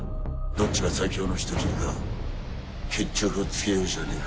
どっちが最強の人斬りか決着をつけようじゃねえか。